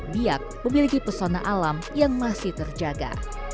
biak memiliki pesona alam yang masih terjaga